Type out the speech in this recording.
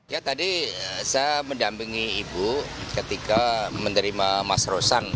ya tadi saya mendampingi ibu ketika menerima mas rosan